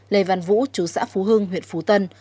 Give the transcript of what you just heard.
lê văn vũ chú xã phú hưng huyện phú tân